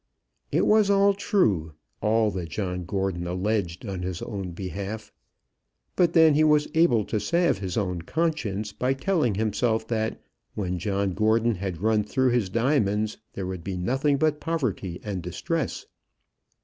It was all true, all that John Gordon alleged on his own behalf. But then he was able to salve his own conscience by telling himself that when John Gordon had run through his diamonds, there would be nothing but poverty and distress.